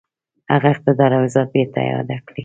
هغه اقتدار او عزت بیرته اعاده کړي.